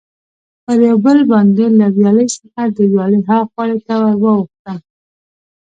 پر یو پل باندې له ویالې څخه د ویالې ها غاړې ته ور واوښتم.